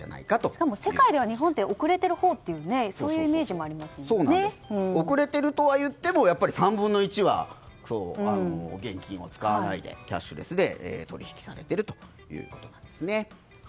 しかも世界では日本は遅れているという遅れてるとはいっても３分の１は現金を使わないでキャッシュレスで取り引きされているということなんですね。